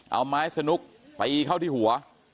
เอาไม้สนุกตีเข้าที่หัว